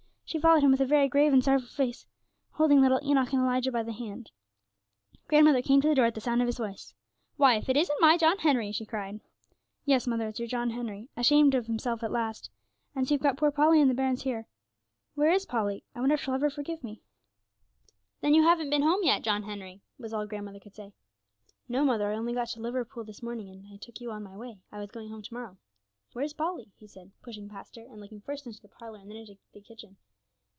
She followed him with a very grave and sorrowful face, holding little Enoch and Elijah by the hand. Grandmother came to the door at the sound of his voice. 'Why, if it isn't my John Henry!' she cried. 'Yes, mother, it's your John Henry, ashamed of himself at last. And so you've got poor Polly and the bairns here. Where is Polly? I wonder if she'll ever forgive me?' 'Then you haven't been home yet, John Henry!' was all grandmother could say. 'No, mother; I only got to Liverpool this morning, and I took you on my way; I was going home to morrow.' 'Where's Polly?' he said, pushing past her, and looking first into the parlour and then into the kitchen.